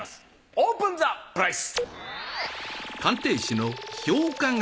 オープンザプライス！